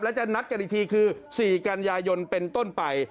และจะนัดกันอีกทีคือ๔กันยายนเป็นต้นไป